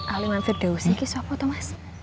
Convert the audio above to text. aliman firdausi itu siapa thomas